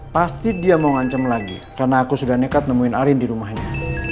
pasti dia mau ngancam lagi karena aku sudah nekat nemuin arin di rumahnya